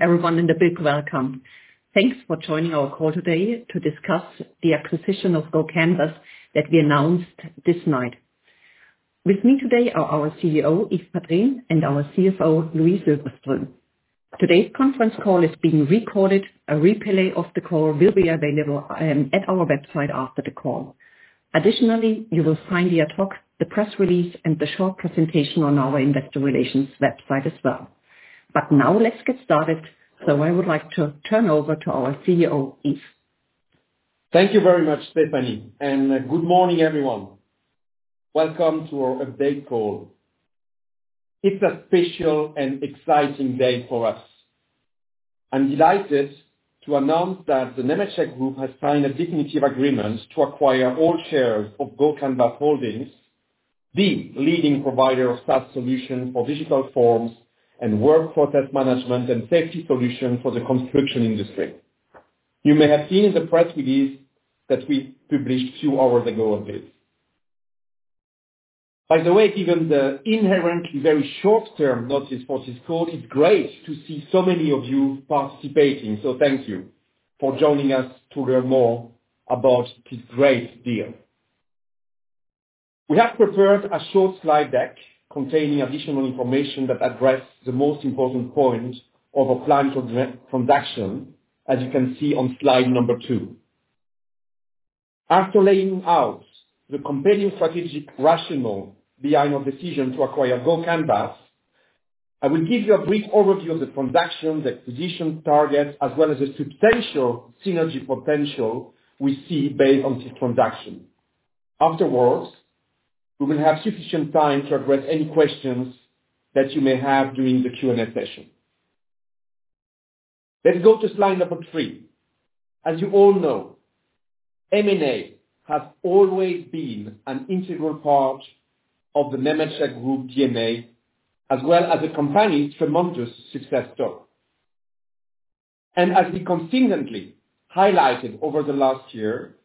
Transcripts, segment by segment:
Everyone, and a big welcome. Thanks for joining our call today to discuss the acquisition of GoCanvas that we announced tonight. With me today are our CEO, Yves Padrines, and our CFO, Louise Öfverström. Today's conference call is being recorded. A replay of the call will be available at our website after the call. Additionally, you will find the ad hoc, the press release, and the short presentation on our investor relations website as well. But now let's get started. So I would like to turn over to our CEO, Yves. Thank you very much, Stefanie, and good morning, everyone. Welcome to our update call. It's a special and exciting day for us. I'm delighted to announce that the Nemetschek Group has signed a definitive agreement to acquire all shares of GoCanvas Holdings, the leading provider of SaaS solution for digital forms and workflow task management and safety solution for the construction industry. You may have seen in the press release that we published two hours ago of this. By the way, given the inherently very short-term notice for this call, it's great to see so many of you participating, so thank you for joining us to learn more about this great deal. We have prepared a short slide deck containing additional information that addresses the most important points of our planned transaction, as you can see on slide number two. After laying out the compelling strategic rationale behind our decision to acquire GoCanvas, I will give you a brief overview of the transaction, the acquisition target, as well as the substantial synergy potential we see based on this transaction. Afterwards, we will have sufficient time to address any questions that you may have during the Q&A session. Let's go to slide number three. As you all know, M&A has always been an integral part of the Nemetschek Group DNA, as well as the company's tremendous success story. As we consistently highlighted over the last year,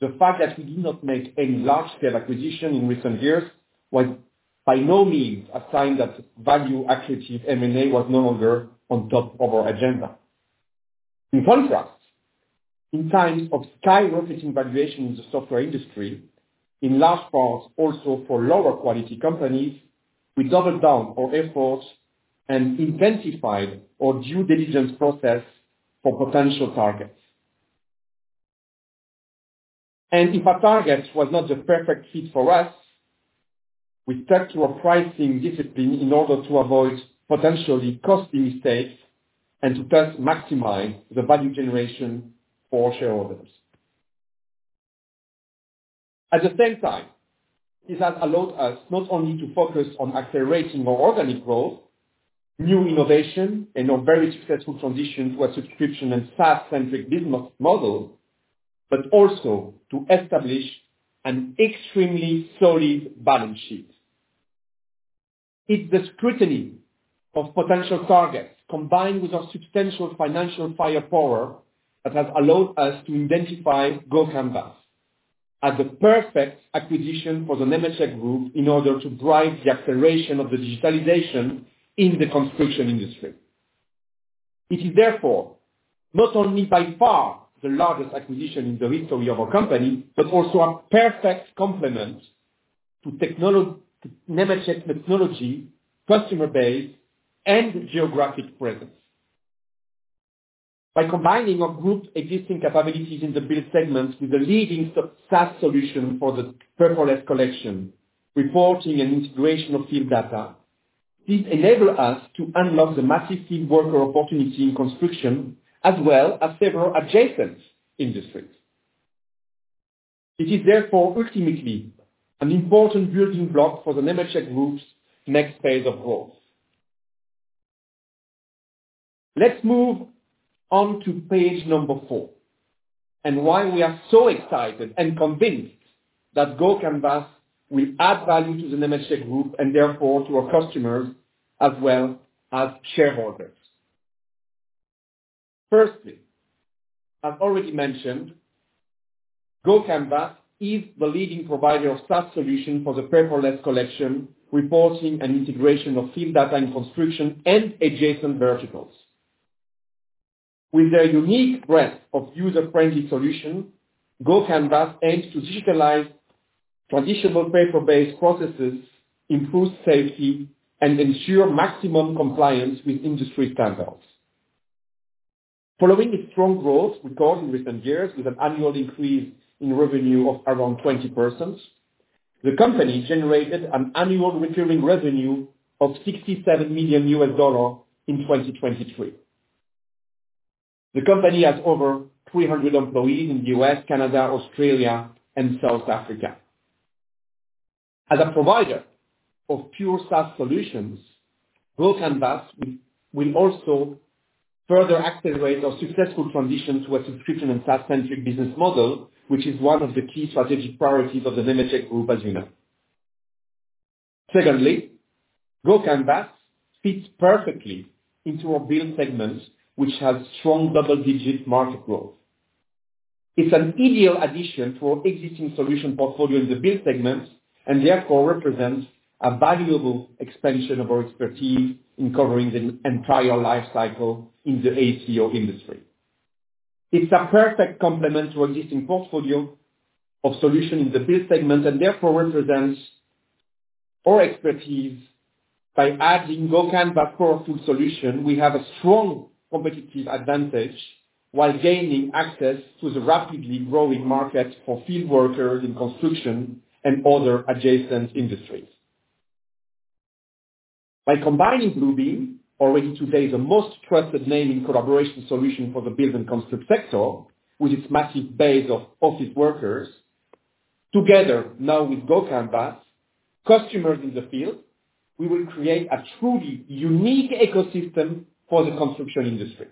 the fact that we did not make any large-scale acquisition in recent years was by no means a sign that value accretive M&A was no longer on top of our agenda. In contrast, in times of skyrocketing valuations in the software industry, in large part also for lower quality companies, we doubled down our efforts and intensified our due diligence process for potential targets. If a target was not the perfect fit for us, we stuck to our pricing discipline in order to avoid potentially costly mistakes, and to thus maximize the value generation for shareholders. At the same time, this has allowed us not only to focus on accelerating our organic growth, new innovation, and our very successful transition to a subscription and SaaS-centric business model, but also to establish an extremely solid balance sheet. It's the scrutiny of potential targets, combined with our substantial financial firepower, that has allowed us to identify GoCanvas as the perfect acquisition for the Nemetschek Group in order to drive the acceleration of the digitalization in the construction industry. It is therefore not only by far the largest acquisition in the history of our company, but also a perfect complement to Nemetschek technology, customer base, and geographic presence. By combining our group's existing capabilities in the Build segment with a leading SaaS solution for the paperless collection, reporting, and integration of field data, it enables us to unlock the massive field worker opportunity in construction, as well as several adjacent industries. It is therefore ultimately an important building block for the Nemetschek Group's next phase of growth. Let's move on to page number four, and why we are so excited and convinced that GoCanvas will add value to the Nemetschek Group, and therefore to our customers as well as shareholders. Firstly, I've already mentioned GoCanvas is the leading provider of SaaS solution for the paperless collection, reporting, and integration of field data in construction and adjacent verticals. With their unique breadth of user-friendly solutions, GoCanvas aims to digitize traditional paper-based processes, improve safety, and ensure maximum compliance with industry standards. Following its strong growth record in recent years, with an annual increase in revenue of around 20%, the company generated an annual recurring revenue of $67 million in 2023. The company has over 300 employees in the U.S., Canada, Australia, and South Africa. As a provider of pure SaaS solutions, GoCanvas will also further accelerate our successful transition to a subscription and SaaS-centric business model, which is one of the key strategic priorities of the Nemetschek Group, as you know. Secondly, GoCanvas fits perfectly into our Build segment, which has strong double-digit market growth.... It's an ideal addition to our existing solution portfolio in the Build segment, and therefore represents a valuable expansion of our expertise in covering the entire life cycle in the AEC/O industry. It's a perfect complement to our existing portfolio of solution in the Build segment, and therefore represents our expertise by adding GoCanvas core solution, we have a strong competitive advantage while gaining access to the rapidly growing market for field workers in construction and other adjacent industries. By combining Bluebeam, already today the most trusted name in collaboration solution for the build and construct sector, with its massive base of office workers, together now with GoCanvas, customers in the field, we will create a truly unique ecosystem for the construction industry.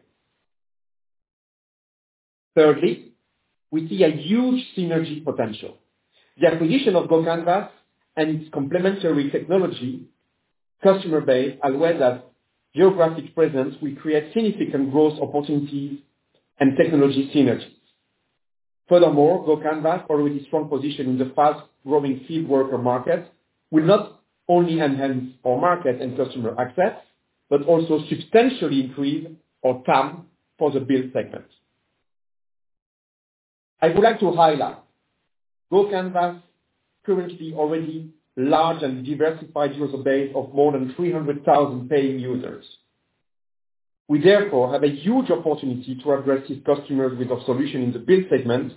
Thirdly, we see a huge synergy potential. The acquisition of GoCanvas and its complementary technology, customer base, as well as geographic presence, will create significant growth opportunities and technology synergies. Furthermore, GoCanvas, already strong position in the fast growing field worker market, will not only enhance our market and customer access, but also substantially increase our TAM for the Build segment. I would like to highlight, GoCanvas currently already large and diversified user base of more than 300,000 paying users. We therefore have a huge opportunity to address these customers with our solution in the Build segment,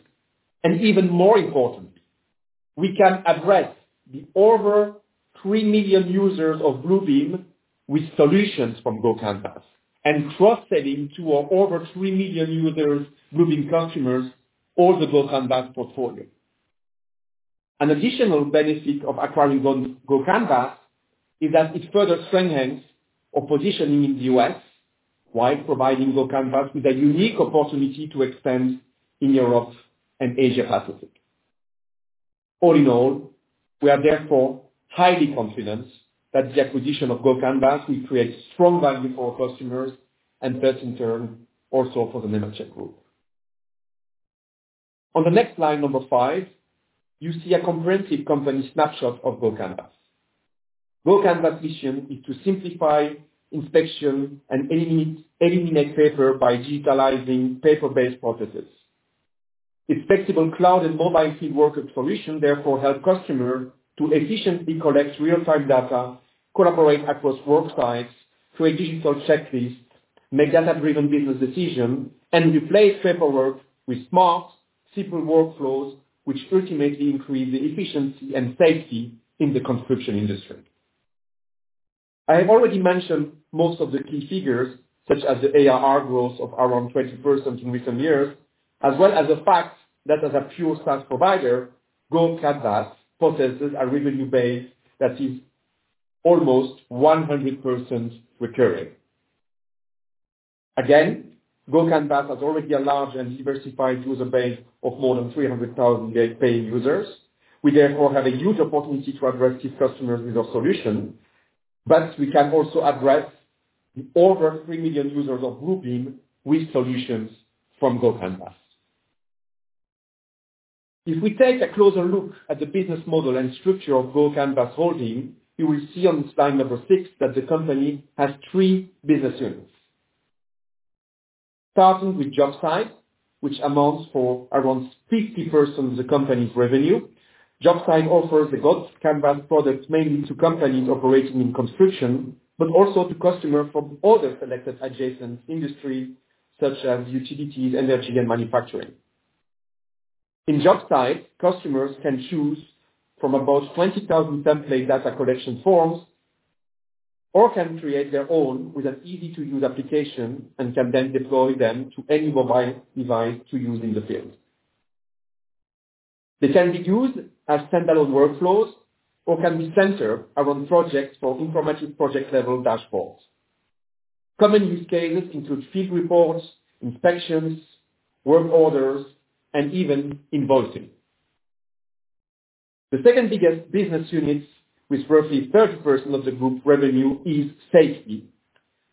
and even more important, we can address the over 3 million users of Bluebeam with solutions from GoCanvas, and cross-selling to our over 3 million users, Bluebeam customers, all the GoCanvas portfolio. An additional benefit of acquiring GoCanvas is that it further strengthens our positioning in the U.S., while providing GoCanvas with a unique opportunity to expand in Europe and Asia-Pacific. All in all, we are therefore highly confident that the acquisition of GoCanvas will create strong value for our customers and thus in turn, also for the Nemetschek Group. On the next slide, number five, you see a comprehensive company snapshot of GoCanvas. GoCanvas' mission is to simplify inspection and eliminate paper by digitizing paper-based processes. Its flexible cloud and mobile field worker solution therefore help customers to efficiently collect real-time data, collaborate across work sites, create digital checklist, make data-driven business decision, and replace paperwork with smart, simple workflows, which ultimately increase the efficiency and safety in the construction industry. I have already mentioned most of the key figures, such as the ARR growth of around 20% in recent years, as well as the fact that as a pure SaaS provider, GoCanvas possesses a revenue base that is almost 100% recurring. Again, GoCanvas has already a large and diversified user base of more than 300,000 paid users. We therefore have a huge opportunity to address these customers with our solution, but we can also address the over 3 million users of Bluebeam with solutions from GoCanvas. If we take a closer look at the business model and structure of GoCanvas holding, you will see on slide number 6, that the company has three business units. Starting with Jobsite, which amounts for around 50% of the company's revenue. GoCanvas offers the GoCanvas products mainly to companies operating in construction, but also to customers from other selected adjacent industries, such as utilities, energy, and manufacturing. In GoCanvas, customers can choose from about 20,000 template data collection forms, or can create their own with an easy-to-use application, and can then deploy them to any mobile device to use in the field. They can be used as standalone workflows or can be centered around projects for informative project-level dashboards. Common use cases include field reports, inspections, work orders, and even invoicing. The second biggest business units, with roughly 30% of the group revenue, is safety,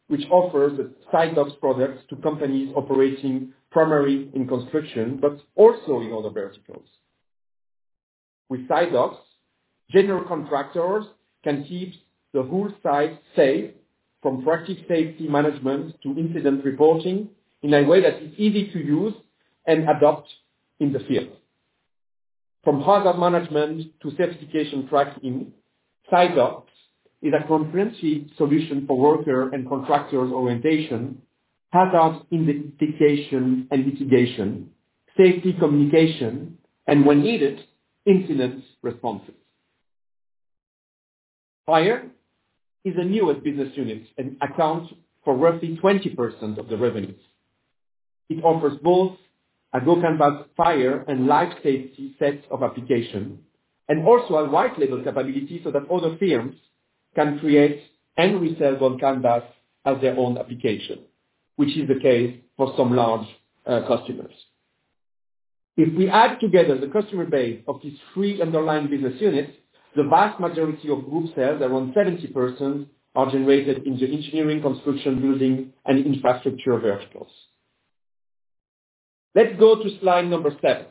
which offers the SiteDocs products to companies operating primarily in construction, but also in other verticals. With SiteDocs, general contractors can keep the whole site safe, from practice safety management to incident reporting, in a way that is easy to use and adopt in the field. From hazard management to certification tracking, SiteDocs is a comprehensive solution for workers' and contractors' orientation, hazard identification and mitigation, safety communication, and when needed, incident responses. Fire is the newest business unit and accounts for roughly 20% of the revenues. It offers both a GoCanvas Fire and life safety set of application, and also a white label capability, so that other firms can create and resell GoCanvas as their own application, which is the case for some large customers. If we add together the customer base of these three underlying business units. The vast majority of group sales, around 70%, are generated in the engineering, construction, building, and infrastructure verticals. Let's go to slide number seven.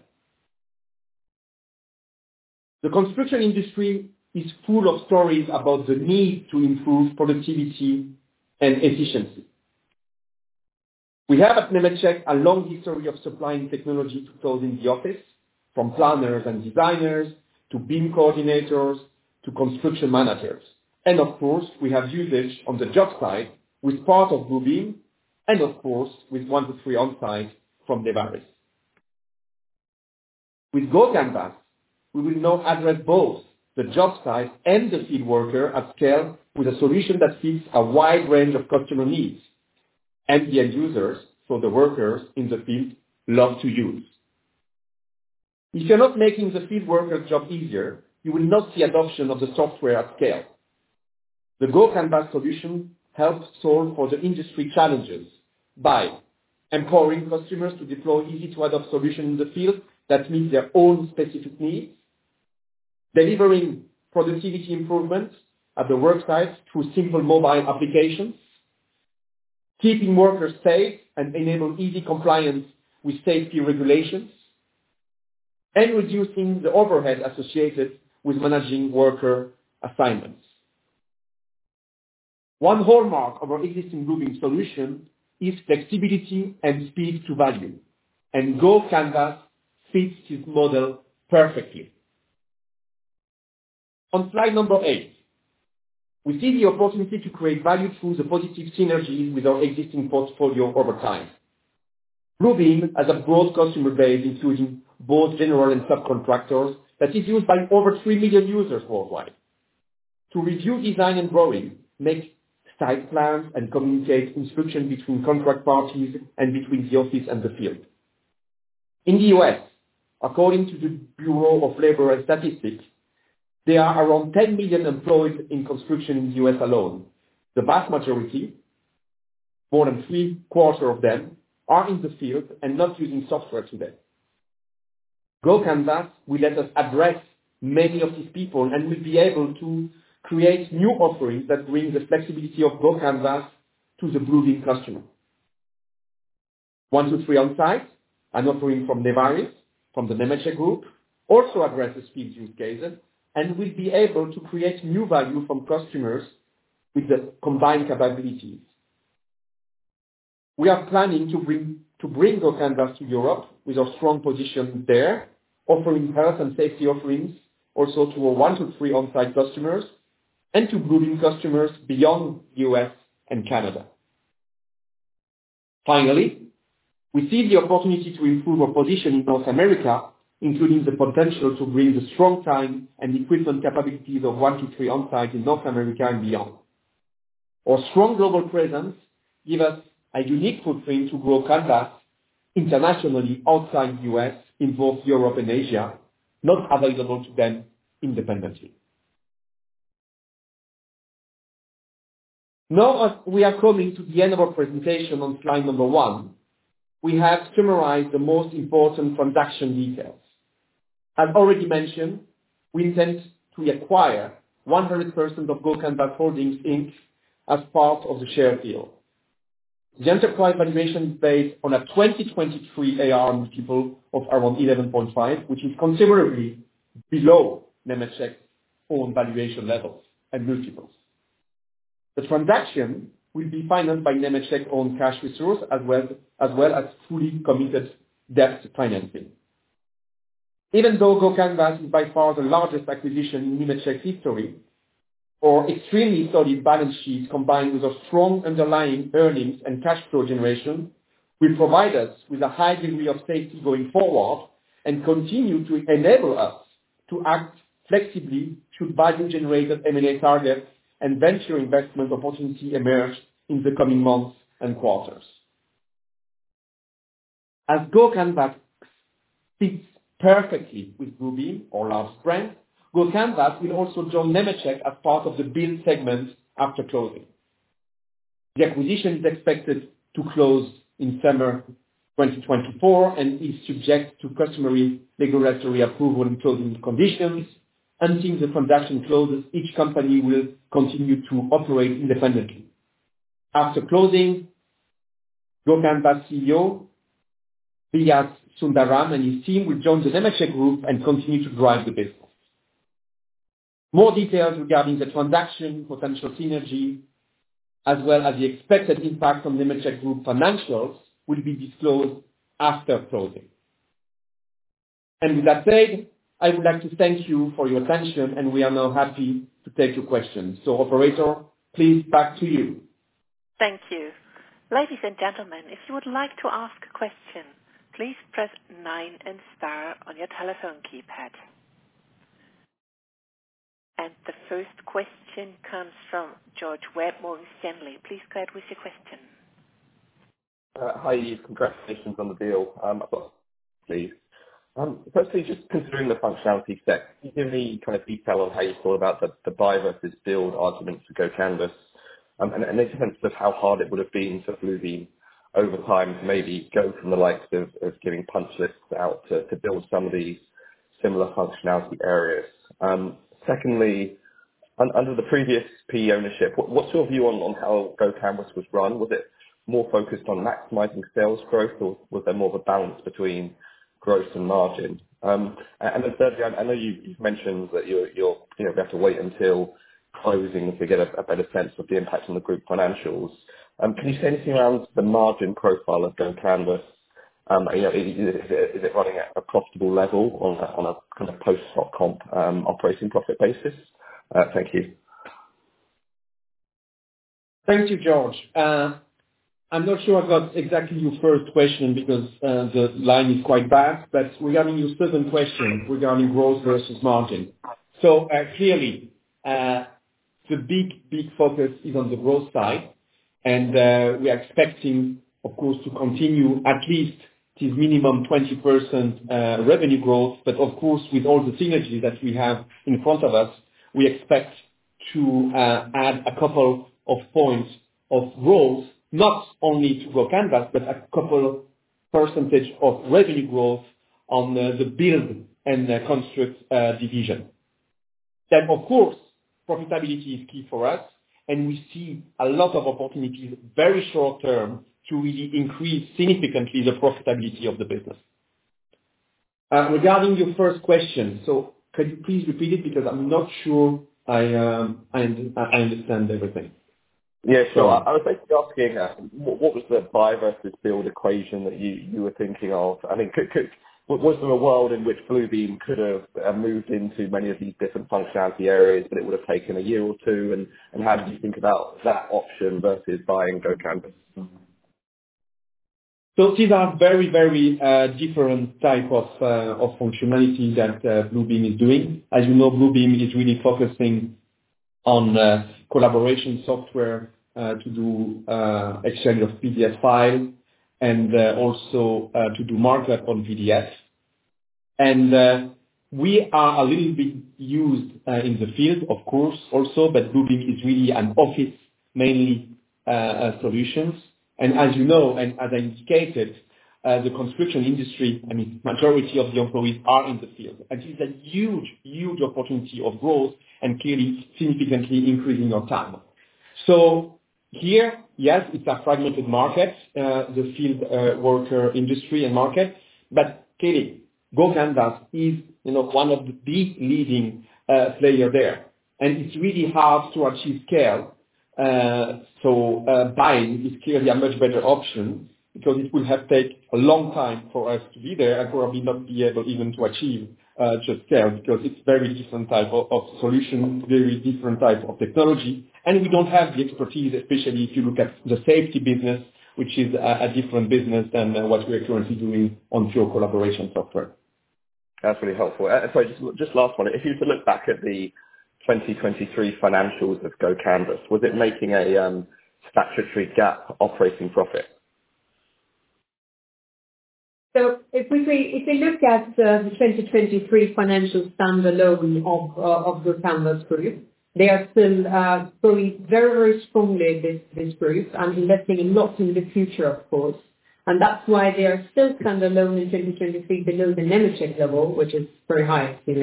The construction industry is full of stories about the need to improve productivity and efficiency. We have, at Nemetschek, a long history of supplying technology to those in the office, from planners and designers, to BIM coordinators, to construction managers, and of course, we have usage on the job site with part of Bluebeam, and of course, with 123onsite from NEVARIS. With GoCanvas, we will now address both the job site and the field worker at scale, with a solution that fits a wide range of customer needs, and the end users, so the workers in the field, love to use. If you're not making the field worker's job easier, you will not see adoption of the software at scale. The GoCanvas solution helps solve for the industry challenges by empowering customers to deploy easy-to-adopt solution in the field that meets their own specific needs, delivering productivity improvements at the work site through simple mobile applications, keeping workers safe, and enable easy compliance with safety regulations, and reducing the overhead associated with managing worker assignments. One hallmark of our existing Bluebeam solution is flexibility and speed to value, and GoCanvas fits this model perfectly. On slide number 8, we see the opportunity to create value through the positive synergies with our existing portfolio over time. Bluebeam has a broad customer base, including both general and subcontractors, that is used by over 3 million users worldwide, to review design and drawing, make site plans, and communicate instruction between contract parties and between the office and the field. In the U.S., according to the Bureau of Labor Statistics, there are around 10 million employed in construction in the U.S. alone. The vast majority, more than three-quarters of them, are in the field and not using software today. GoCanvas will let us address many of these people, and we'll be able to create new offerings that bring the flexibility of GoCanvas to the Bluebeam customer. One, two, three on-site, an offering from NEVARIS, from the Nemetschek Group, also address the field use cases, and we'll be able to create new value from customers with the combined capabilities. We are planning to bring GoCanvas to Europe with our strong position there, offering health and safety offerings also to our one, two, three on-site customers, and to Bluebeam customers beyond U.S. and Canada. Finally, we see the opportunity to improve our position in North America, including the potential to bring the strong time and equipment capabilities of one, two, three on-site in North America and beyond. Our strong global presence give us a unique footprint to grow GoCanvas internationally, outside U.S., in both Europe and Asia, not available to them independently. Now, as we are coming to the end of our presentation on slide number 1, we have summarized the most important transaction details. I've already mentioned, we intend to acquire 100% of GoCanvas Holdings, Inc. as part of the share deal. The enterprise valuation is based on a 2023 ARR multiple of around 11.5, which is considerably below Nemetschek's own valuation levels and multiples. The transaction will be financed by Nemetschek own cash resource, as well, as well as fully committed debt financing. Even though GoCanvas is by far the largest acquisition in Nemetschek’s history, our extremely solid balance sheet, combined with a strong underlying earnings and cash flow generation, will provide us with a high degree of safety going forward, and continue to enable us to act flexibly to value-generating M&A targets and venture investment opportunity emerge in the coming months and quarters. As GoCanvas fits perfectly with Bluebeam, our largest strength, GoCanvas will also join Nemetschek as part of the Build segment after closing. The acquisition is expected to close in summer 2024, and is subject to customary regulatory approval and closing conditions. Until the transaction closes, each company will continue to operate independently. After closing, GoCanvas CEO, Viyas Sundaram and his team will join the Nemetschek Group and continue to drive the business. More details regarding the transaction, potential synergy, as well as the expected impact on Nemetschek Group financials, will be disclosed after closing. With that said, I would like to thank you for your attention, and we are now happy to take your questions. Operator, please, back to you. Thank you. Ladies and gentlemen, if you would like to ask a question, please press nine and star on your telephone keypad. The first question comes from George Webb, Morgan Stanley. Please go ahead with your question. Hi, congratulations on the deal. I've got three questions please. Firstly, just considering the functionality set, can you give me kind of detail on how you feel about the buy versus build argument to GoCanvas? And in a sense of how hard it would have been for Bluebeam over time to maybe go from the likes of giving punch lists out to build some of the similar functionality areas. Secondly, under the previous PE ownership, what's your view on how GoCanvas was run? Was it more focused on maximizing sales growth, or was there more of a balance between growth and margin? And then thirdly, I know you've mentioned that you're you know we have to wait until closing to get a better sense of the impact on the group financials. Can you say anything around the margin profile of GoCanvas? You know, is it running at a profitable level on a kind of post–dot-com operating profit basis? Thank you. Thank you, George. I'm not sure I got exactly your first question, because the line is quite bad, but regarding your second question, regarding growth versus margin. So, clearly, the big, big focus is on the growth side, and we are expecting, of course, to continue at least this minimum 20% revenue growth, but of course, with all the synergies that we have in front of us, we expect to add a couple of points of growth, not only to GoCanvas, but a couple percentage of revenue growth on the, the build and the construct division. Then of course, profitability is key for us, and we see a lot of opportunities, very short-term, to really increase, significantly, the profitability of the business. Regarding your first question, so could you please repeat it? Because I'm not sure I understand everything. Yeah, sure. I was basically asking, what, what was the buy versus build equation that you, you were thinking of? I mean, was there a world in which Bluebeam could've moved into many of these different functionality areas, but it would've taken a year or two, and how did you think about that option versus buying GoCanvas? So these are very, very, different type of functionality that Bluebeam is doing. As you know, Bluebeam is really focusing on, collaboration software, to do, exchange of PDF file, and, also, to do markup on PDF. And, we are a little bit used, in the field, of course, also, but Bluebeam is really an office, mainly, solutions. And as you know, and as I indicated, the construction industry, I mean, majority of the employees are in the field, and it's a huge, huge opportunity of growth, and clearly significantly increasing our TAM. So here, yes, it's a fragmented market, the field, worker industry and market, but clearly, GoCanvas is, you know, one of the big leading, player there. It's really hard to achieve scale, so buying is clearly a much better option, because it would have taken a long time for us to be there, and probably not be able even to achieve such scale, because it's very different type of solution, very different type of technology, and we don't have the expertise, especially if you look at the safety business, which is a different business than what we are currently doing on field collaboration software. That's really helpful. Sorry, just last one. If you were to look back at the 2023 financials of GoCanvas, was it making a statutory GAAP operating profit? So if we look at the 2023 financial standalone of GoCanvas Group, they are still growing very, very strongly, this group, and investing a lot in the future, of course. And that's why they are still standalone in 2023 below the Nemetschek level, which is very high, as you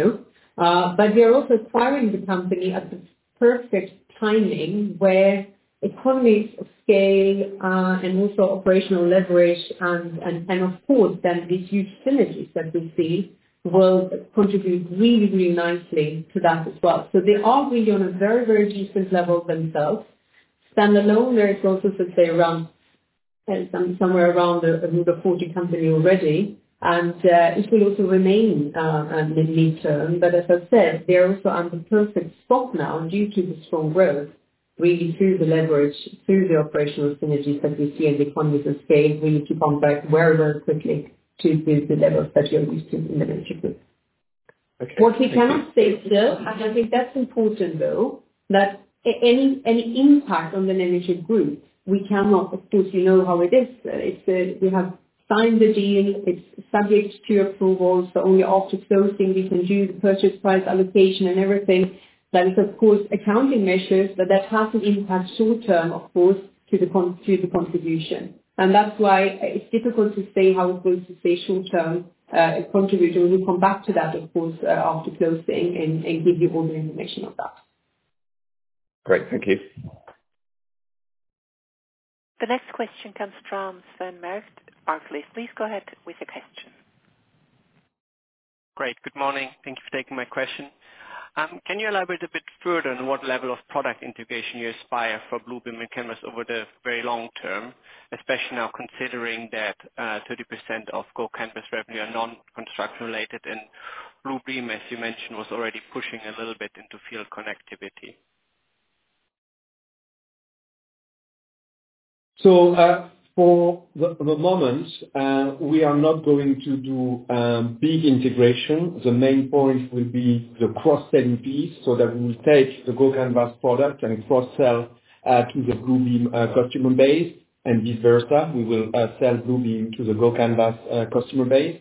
know. But we are also acquiring the company at the perfect timing, where economies of scale and also operational leverage, and of course, then these huge synergies that we see, will contribute really, really nicely to that as well. So they are really on a very, very different level themselves. Standalone, they're also, let's say, around somewhere around a 40 company already, and it will also remain in the midterm. But as I said, they're also on the perfect spot now, due to the strong growth, really through the leverage, through the operational synergies that we see, and economies of scale, really to come back very, very quickly to build the level that you're used to in the Nemetschek Group. Okay. What we cannot say still, and I think that's important, though, that any impact on the Nemetschek Group, we cannot. Of course, you know how it is. It's, we have signed the deal, it's subject to approvals, so only after closing we can do purchase price allocation and everything. That is, of course, accounting measures, but that has an impact short-term, of course, to the contribution. And that's why it's difficult to say how it's going to stay short-term, contribution. We'll come back to that, of course, after closing, and give you all the information on that. Great. Thank you. The next question comes from Sven Merkt, Barclays. Please go ahead with your question. Great. Good morning. Thank you for taking my question. Can you elaborate a bit further on what level of product integration you aspire for Bluebeam and GoCanvas over the very long term, especially now considering that 30% of GoCanvas revenue are non-construction related, and Bluebeam, as you mentioned, was already pushing a little bit into field connectivity? So, for the moment, we are not going to do big integration. The main point will be the cross-selling piece, so that we will take the GoCanvas product and cross-sell to the Bluebeam customer base, and vice versa, we will sell Bluebeam to the GoCanvas customer base.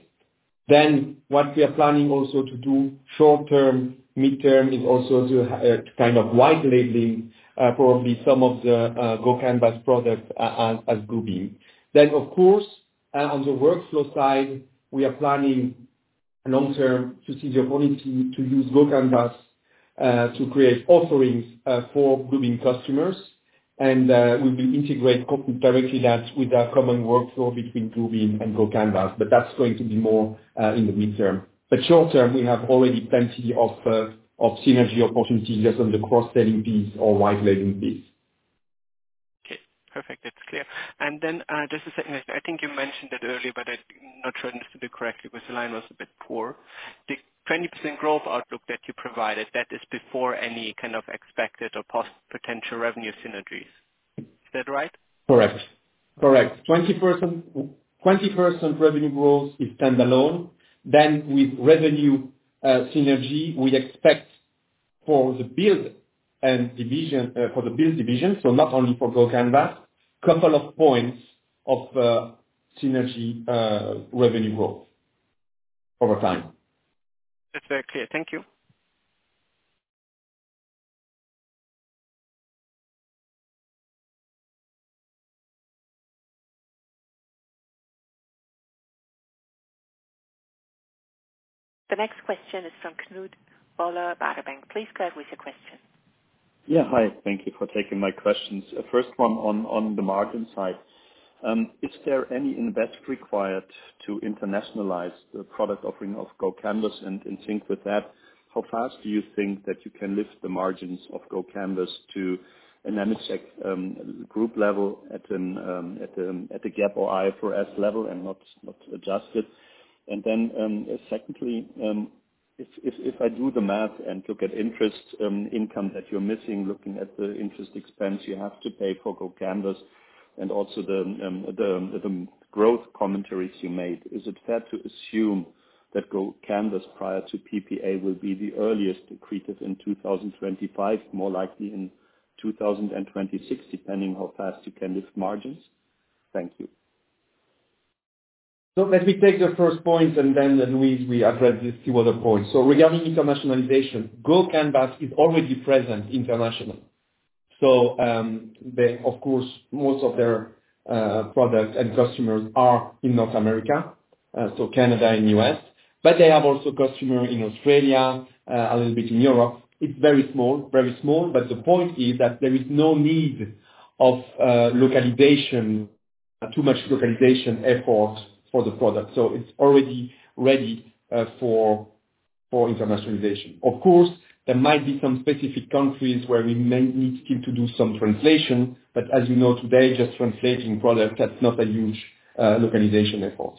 Then what we are planning also to do short term, midterm, is also to kind of white labeling, probably some of the GoCanvas products as co-branding. Then of course, on the workflow side, we are planning long-term to see the opportunity to use GoCanvas to create offerings for Bluebeam customers. And we will integrate directly that with our common workflow between Bluebeam and GoCanvas, but that's going to be more in the midterm. But short term, we have already plenty of synergy opportunities on the cross-selling piece or white labeling piece. Okay, perfect. That's clear. And then, just a second. I think you mentioned it earlier, but I'm not sure I understood it correctly because the line was a bit poor. The 20% growth outlook that you provided, that is before any kind of expected or potential revenue synergies. Is that right? Correct. Correct. 20%, 20% revenue growth is standalone. Then with revenue synergy, we expect for the Build division, for the Build division, so not only for GoCanvas, couple of points of synergy revenue growth over time. That's very clear. Thank you. The next question is from Knut Woller, Baader Bank. Please go ahead with your question. Yeah, hi. Thank you for taking my questions. First one on the margin side, is there any investment required to internationalize the product offering of GoCanvas? And, in sync with that, how fast do you think that you can lift the margins of GoCanvas to a Nemetschek group level at the GAAP or IFRS level and not adjusted? And then, secondly, if I do the math and look at interest income that you're missing, looking at the interest expense you have to pay for GoCanvas and also the growth commentaries you made, is it fair to assume that GoCanvas, prior to PPA, will be the earliest accretive in 2025, more likely in 2026, depending how fast you can lift margins? Thank you. So let me take the first point, and then, then Louise, we address the two other points. So regarding internationalization, GoCanvas is already present internationally. So, they, of course, most of their products and customers are in North America, so Canada and U.S., but they have also customer in Australia, a little bit in Europe. It's very small, very small, but the point is that there is no need of localization, too much localization effort for the product. So it's already ready for internationalization. Of course, there might be some specific countries where we may need to do some translation, but as you know, today, just translating products, that's not a huge localization effort.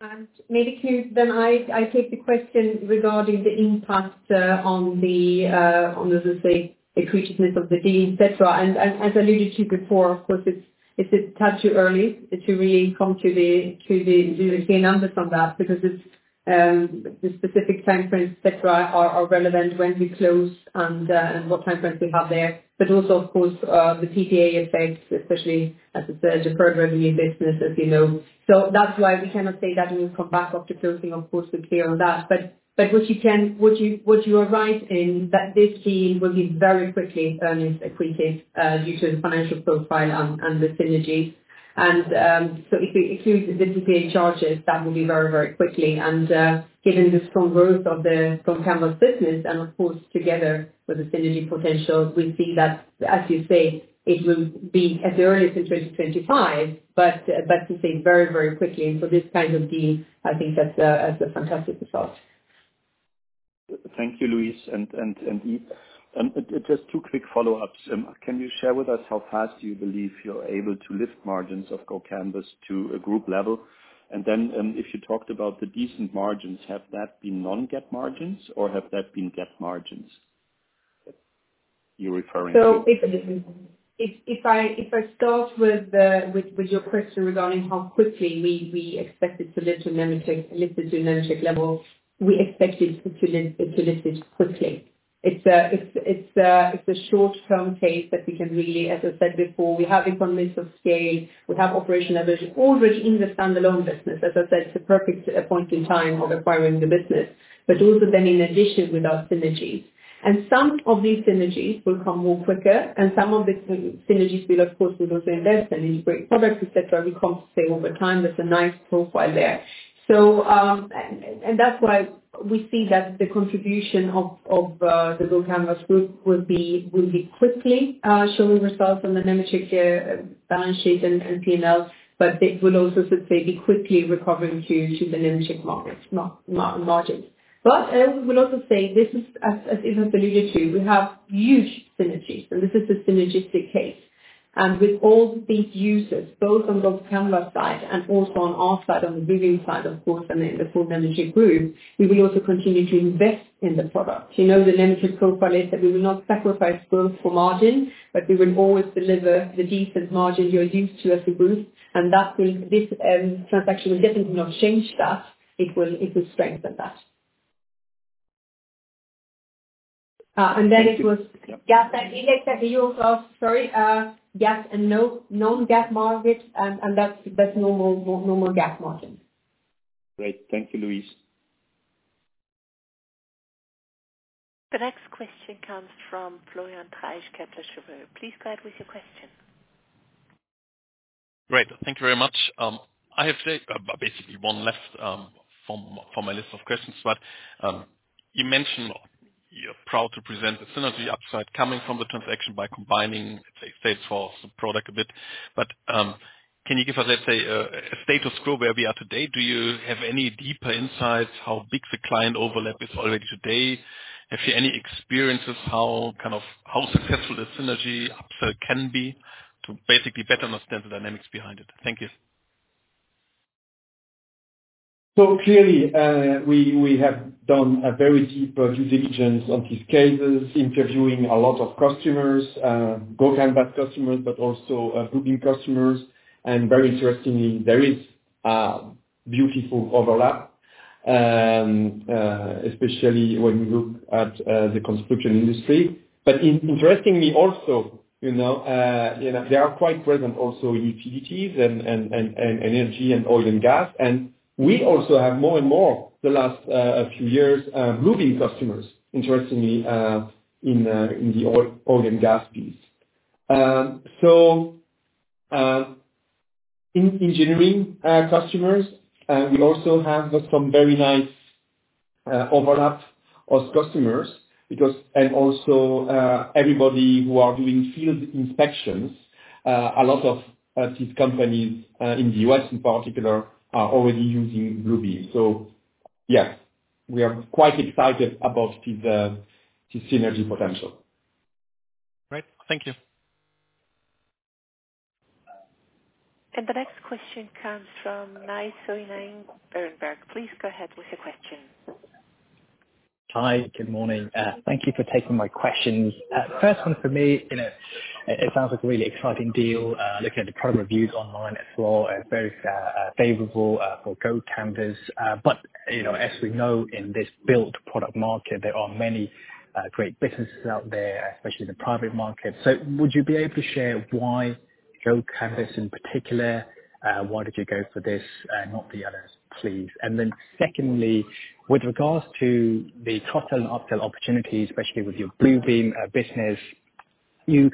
And maybe, Knut, then I take the question regarding the impact on, let's say, accretiveness of the deal, etc.. And as I alluded to before, of course, it's a tad too early to really come to the clear numbers on that, because it's the specific time frames, etc., are relevant when we close and what time frames we have there. But also, of course, the PPA effects, especially as a deferred revenue business, as you know. So that's why we cannot say that we will come back after closing, of course, we're clear on that. But what you are right in, that this deal will be very quickly accreted due to the financial profile and the synergy. So if you include the PPA charges, that will be very, very quickly. Given the strong growth of the GoCanvas business, and of course, together with the synergy potential, we see that, as you say, it will be at the earliest in 2025, but the same, very, very quickly. So this kind of deal, I think that's a fantastic result. Thank you, Louise Öfverström and Yves Padrines. Just two quick follow-ups. Can you share with us how fast you believe you're able to lift margins of GoCanvas to a group level? And then, if you talked about the decent margins, have that been non-GAAP margins or have that been GAAP margins you're referring to? So if I start with your question regarding how quickly we expect it to lift to Nemetschek level, we expect it to lift it quickly. It's a short-term case that we can really, as I said before, we have economies of scale, we have operational leverage already in the standalone business. As I said, it's a perfect point in time of acquiring the business, but also then in addition with our synergies. And some of these synergies will come more quicker, and some of the synergies will of course also invest in great products, etc.. We can't say over time, there's a nice profile there. So, that's why we see that the contribution of the GoCanvas group will be quickly showing results on the Nemetschek balance sheet and P&L, but it will also subsequently be quickly recovering to the Nemetschek market margins. But I will also say this is, as Yves alluded to, we have huge synergies, and this is a synergistic case. And with all these users, both on the GoCanvas side and also on our side, on the Bluebeam side, of course, and in the full Nemetschek Group, we will also continue to invest in the product. You know, the Nemetschek profile is that we will not sacrifice growth for margin, but we will always deliver the decent margins you're used to as a group, and this transaction will definitely not change that. It will, it will strengthen that. And then it was GAAP and non-GAAP figures, sorry, GAAP and non-GAAP margins, and that's normal GAAP margin. Great. Thank you, Louise. The next question comes from Florian Treisch, Kepler Cheuvreux. Please go ahead with your question. Great. Thank you very much. I have basically one left from, from my list of questions, but you mentioned you're proud to present the synergy upside coming from the transaction by combining, let's say, sales force and product a bit. But can you give us, let's say, a state of scope where we are today? Do you have any deeper insights how big the client overlap is already today? If any experiences, how, kind of, how successful the synergy upside can be, to basically better understand the dynamics behind it? Thank you. So clearly, we have done a very deep due diligence on these cases, interviewing a lot of customers, GoCanvas customers, but also, Bluebeam customers. And very interestingly, there is beautiful overlap, especially when you look at the construction industry. But interestingly also, you know, they are quite present also in utilities and energy and oil and gas. And we also have more and more, the last few years, Bluebeam customers, interestingly, in the oil and gas piece. So, in engineering customers, we also have some very nice overlap of customers, because... And also, everybody who are doing field inspections, a lot of these companies, in the U.S. in particular, are already using Bluebeam. So yes, we are quite excited about the synergy potential. Great. Thank you. The next question comes from Nay Soe Naing, Berenberg. Please go ahead with your question. Hi. Good morning. Thank you for taking my questions. First one for me, you know, it sounds like a really exciting deal. Looking at the product reviews online as well, very favorable for GoCanvas. But, you know, as we know, in this built product market, there are many great businesses out there, especially in the private market. So would you be able to share why GoCanvas in particular? Why did you go for this, not the others, please? And then secondly, with regards to the cross-sell and upsell opportunities, especially with your Bluebeam business, you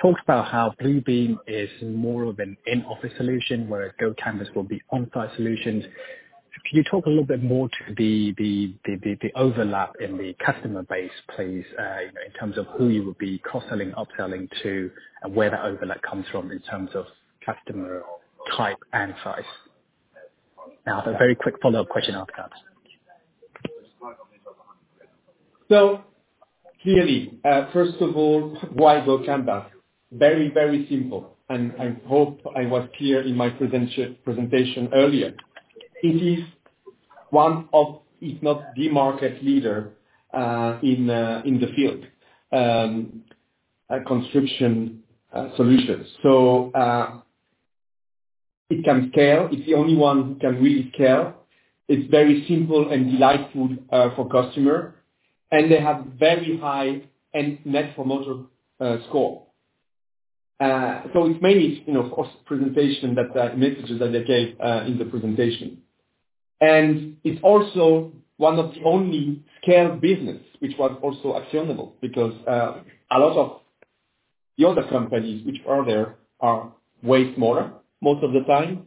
talked about how Bluebeam is more of an in-office solution, where GoCanvas will be on-site solutions. Can you talk a little bit more to the overlap in the customer base, please, you know, in terms of who you will be cross-selling, upselling to, and where that overlap comes from in terms of customer type and size? I have a very quick follow-up question after that. So clearly, first of all, why GoCanvas? Very, very simple, and I hope I was clear in my presentation earlier. It is one of, if not the market leader, in the field construction solutions. So, it can scale. It's the only one who can really scale. It's very simple and delightful, for customer, and they have very high Net Promoter Score. So it's mainly, you know, of course, presentation, that, messages that I gave, in the presentation. And it's also one of the only scale business which was also actionable, because, a lot of the other companies which are there are way smaller most of the time,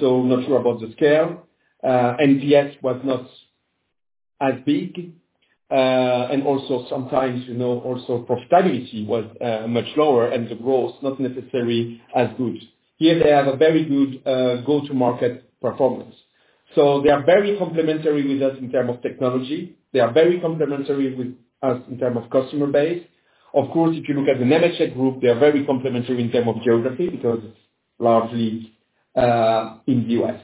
so not sure about the scale. NDS was not as big, and also sometimes, you know, also profitability was much lower and the growth not necessarily as good. Here, they have a very good go-to-market performance. So they are very complementary with us in terms of technology. They are very complementary with us in terms of customer base. Of course, if you look at the GoCanvas, they are very complementary in terms of geography, because it's largely in the U.S..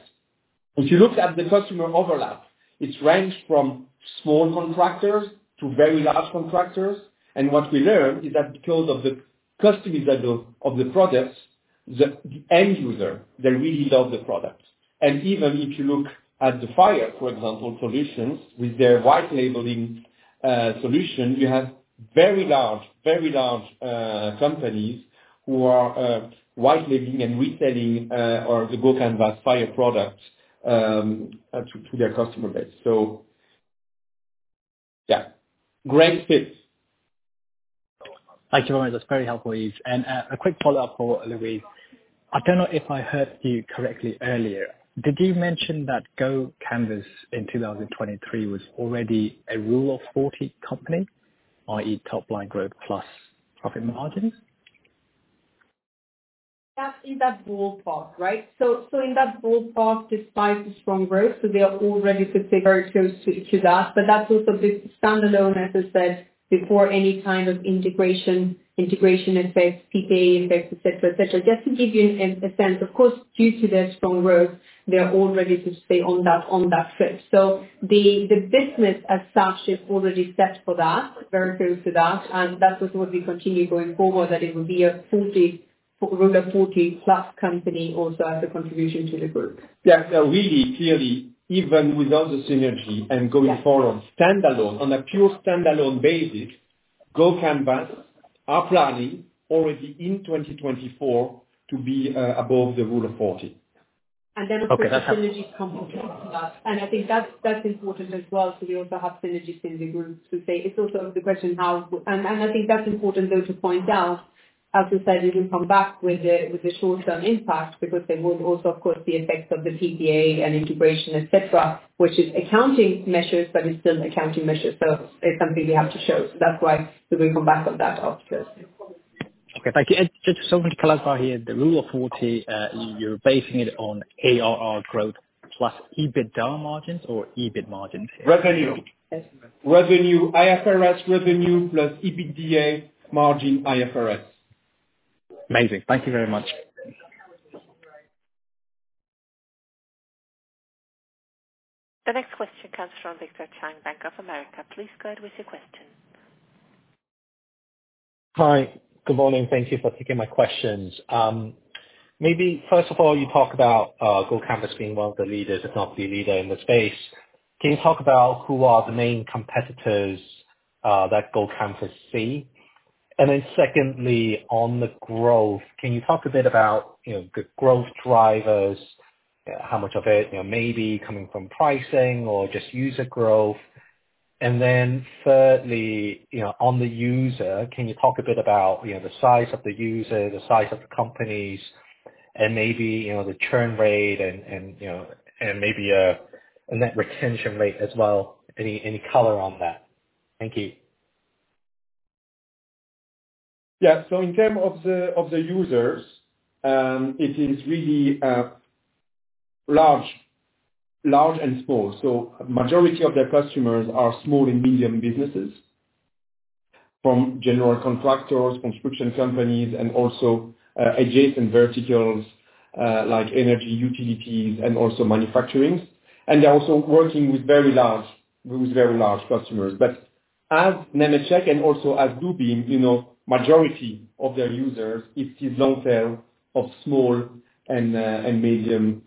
If you look at the customer overlap, it's ranged from small contractors to very large contractors. And what we learned is that because of the customizability of the products, the end user, they really love the product. And even if you look at the Fire, for example, solutions with their white labeling solution, you have very large, very large companies who are white labeling and reselling or the GoCanvas Fire products to their customer base. So yeah, great fits. Thank you very much. That's very helpful, Yves. And, a quick follow-up for Louise. I don't know if I heard you correctly earlier. Did you mention that GoCanvas in 2023 was already a Rule of 40 company, i.e., top line growth plus profit margin? That's in that ballpark, right? So in that ballpark, despite the strong growth, they are already to stay very close to that. But that's also the standalone, as I said before, any kind of integration effects, PPA effects, etc.. Just to give you a sense, of course, due to their strong growth, they are already to stay on that track. So the business as such is already set for that, very close to that, and that is what we continue going forward, that it will be a Rule of 40 company also as a contribution to the group? Yeah, so really, clearly, even without the synergy and going forward standalone, on a pure standalone basis, GoCanvas are planning already in 2024 to be above the Rule of 40. And then- Okay, that's- Synergy comes on top of that. And I think that's important as well, so we also have synergies in the group to say it's also the question how. And I think that's important, though, to point out, as we said, we will come back with the short-term impact, because there will also, of course, be effects of the PPA and integration, etc., which is accounting measures, but it's still accounting measures, so it's something we have to show. So that's why we will come back on that afterwards. Okay, thank you. And just so to clarify here, the Rule of 40, you're basing it on ARR growth plus EBITDA margins or EBIT margins? Revenue. Yes. Revenue, IFRS revenue plus EBITDA margin IFRS. Amazing. Thank you very much. The next question comes from Victor Cheng, Bank of America. Please go ahead with your question. Hi. Good morning. Thank you for taking my questions. Maybe first of all, you talked about, GoCanvas being one of the leaders, if not the leader in the space. Can you talk about who are the main competitors, that GoCanvas see? And then secondly, on the growth, can you talk a bit about, you know, the growth drivers, how much of it, you know, may be coming from pricing or just user growth? And then thirdly, you know, on the user, can you talk a bit about, you know, the size of the user, the size of the companies, and maybe, you know, the churn rate and, and, you know, and maybe, a net retention rate as well? Any, any color on that? Thank you. Yeah. So in terms of the users, it is really large and small. So majority of their customers are small and medium businesses, from general contractors, construction companies, and also adjacent verticals like energy, utilities, and also manufacturing. And they're also working with very large customers. But as Nemetschek and also as Bluebeam, you know, majority of their users, it is long tail of small and medium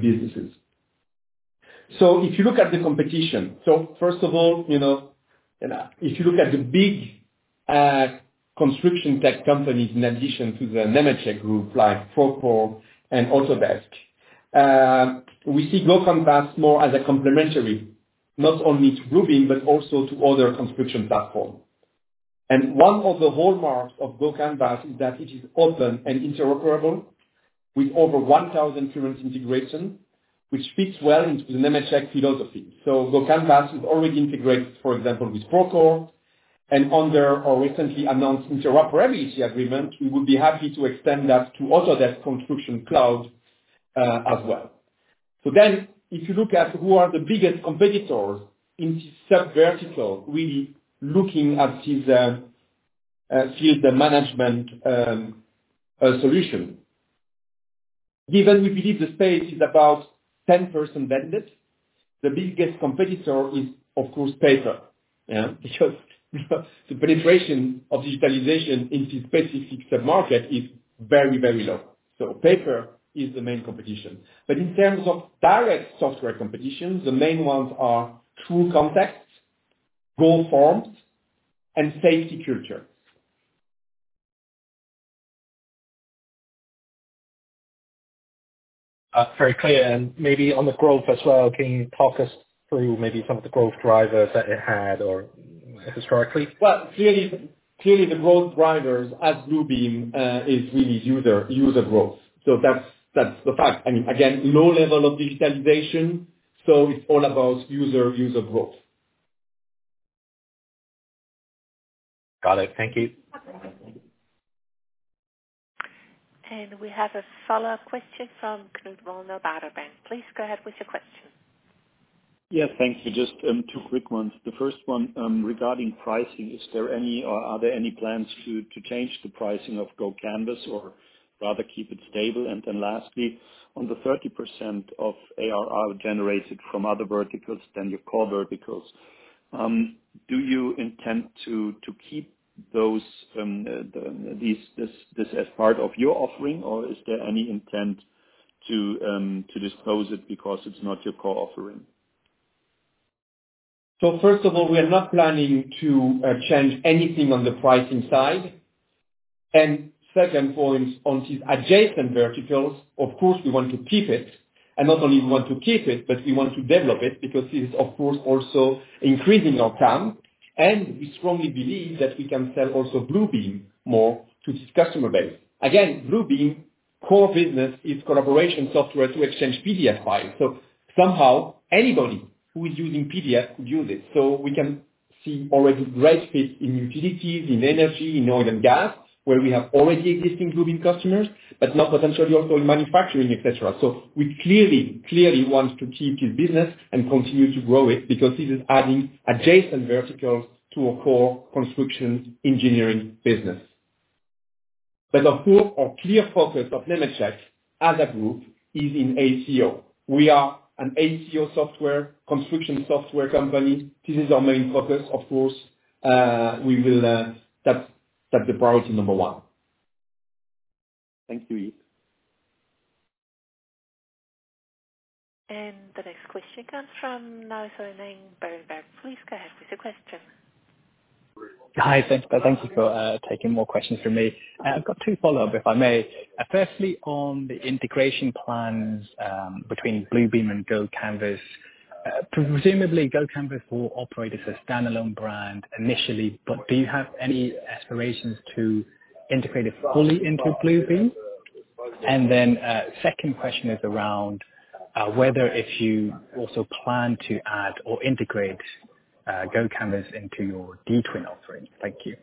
businesses. So if you look at the competition, so first of all, you know, if you look at the big construction tech companies in addition to the Nemetschek Group, like Procore and Autodesk, we see GoCanvas more as a complementary, not only to Bluebeam, but also to other construction platform. One of the hallmarks of GoCanvas is that it is open and interoperable, with over 1,000 current integration, which fits well into the Nemetschek philosophy. So GoCanvas is already integrated, for example, with Procore, and under our recently announced interoperability agreement, we would be happy to extend that to other Autodesk Construction Cloud, as well. So then, if you look at who are the biggest competitors in this subvertical, really looking at this, field management solution. Given we believe the space is about 10% vendor, the biggest competitor is, of course, paper. Yeah, because the penetration of digitalization into specific sub-market is very, very low. So paper is the main competition. But in terms of direct software competition, the main ones are TrueContext, GoFormz, and SafetyCulture. Very clear, and maybe on the growth as well, can you talk us through maybe some of the growth drivers that it had or historically? Well, clearly, the growth drivers, as Bluebeam, is really user growth. So that's the fact. I mean, again, low level of digitalization, so it's all about user growth. Got it. Thank you. We have a follow-up question from Knut Woller, Baader Bank. Please go ahead with your question. Yes, thank you. Just two quick ones. The first one, regarding pricing, is there any or are there any plans to change the pricing of GoCanvas or rather keep it stable? And then lastly, on the 30% of ARR generated from other verticals than your core verticals, do you intend to keep those, this as part of your offering, or is there any intent to dispose it because it's not your core offering? So first of all, we are not planning to change anything on the pricing side. And second point, on these adjacent verticals, of course, we want to keep it, and not only we want to keep it, but we want to develop it, because it is, of course, also increasing our count. And we strongly believe that we can sell also Bluebeam more to this customer base. Again, Bluebeam core business is collaboration software to exchange PDF files. So somehow, anybody who is using PDF could use it. So we can see already great fit in utilities, in energy, in oil and gas, where we have already existing Bluebeam customers, but now potentially also in manufacturing, etc.. So we clearly, clearly want to keep this business and continue to grow it, because it is adding adjacent verticals to our core construction engineering business. Of course, our clear focus of Nemetschek as a group is in AEC/O. We are an AEC/O software, construction software company. This is our main focus, of course. That's the priority number one. Thank you. The next question comes from Nay Soe Naing, Berenberg. Please go ahead with your question. Hi, thank you for taking more questions from me. I've got two follow-ups, if I may. Firstly, on the integration plans between Bluebeam and GoCanvas. Presumably, GoCanvas will operate as a standalone brand initially, but do you have any aspirations to integrate it fully into Bluebeam? And then, second question is around whether you also plan to add or integrate GoCanvas into your dTwin offering. Thank you.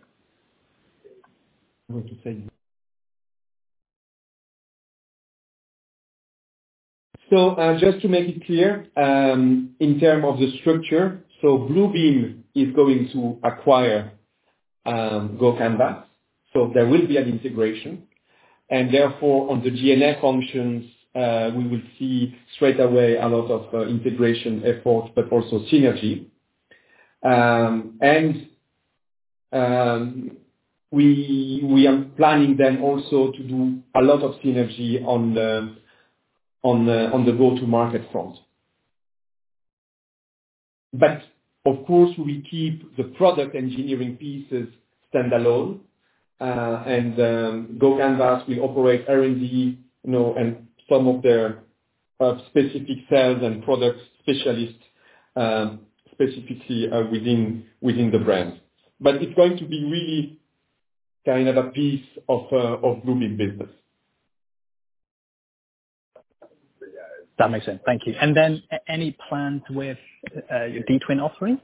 So, just to make it clear, in terms of the structure, so Bluebeam is going to acquire GoCanvas, so there will be an integration. And therefore, on the GNF functions, we will see straightaway a lot of integration effort, but also synergy. And we are planning then also to do a lot of synergy on the go-to market front. But of course, we keep the product engineering pieces standalone, and GoCanvas will operate R&D, you know, and some of their specific sales and product specialists, specifically, within the brand. But it's going to be really kind of a piece of Bluebeam business. That makes sense. Thank you. And then any plans with your dTwin offering?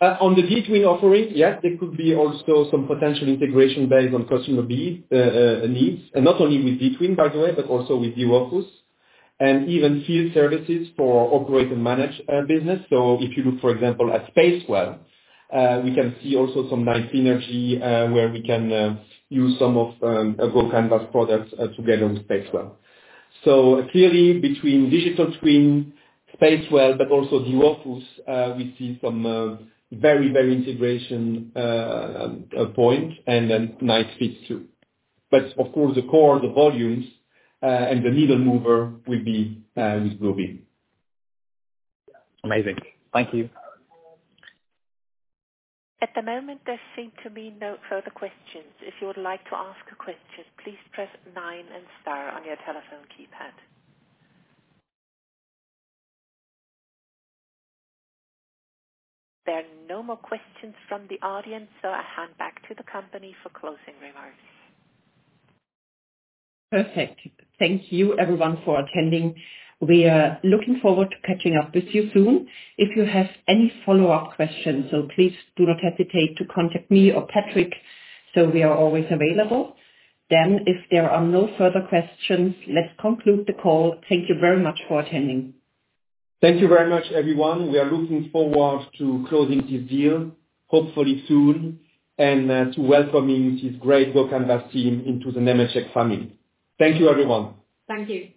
On the dTwin offering, yes, there could be also some potential integration based on customer needs, and not only with dTwin, by the way, but also with Vectorworks, and even field services for operate and manage business. So if you look, for example, at Spacewell, we can see also some nice synergy, where we can use some of GoCanvas products together with Spacewell. So clearly, between digital twin, Spacewell, but also Vectorworks, we see some very, very integration point, and then nice fit too. But of course, the core, the volumes, and the needle mover will be with Bluebeam. Amazing. Thank you. At the moment, there seem to be no further questions. If you would like to ask a question, please press nine and star on your telephone keypad. There are no more questions from the audience, so I hand back to the company for closing remarks. Perfect. Thank you everyone for attending. We are looking forward to catching up with you soon. If you have any follow-up questions, so please do not hesitate to contact me or Patrick, so we are always available. If there are no further questions, let's conclude the call. Thank you very much for attending. Thank you very much, everyone. We are looking forward to closing this deal, hopefully soon, and to welcoming this great GoCanvas team into the Nemetschek family. Thank you, everyone. Thank you.